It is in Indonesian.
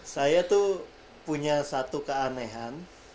saya tuh punya satu keanehan